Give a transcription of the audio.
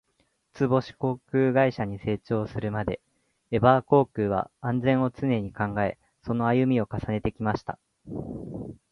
海運からスタートし、世界の五つ星航空会社に成長するまで、エバー航空は「安全」を常に考え、その歩みを積み重ねてきました。